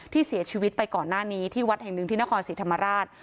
ที่เสียชีวิตไปก่อนหน้านี้ที่วัดแห่งหนึ่งที่นครศรีธรรมราช